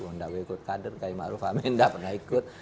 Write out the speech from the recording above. ndak mau ikut kader kiai ma'ruf amin ndak pernah ikut